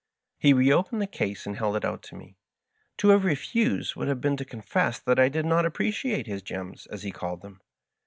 He re opened the case and held it out to me. To have refused would have been to confess that I did not appreciate his "gems," as he called them.